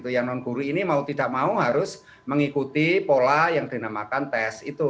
yang non guru ini mau tidak mau harus mengikuti pola yang dinamakan tes itu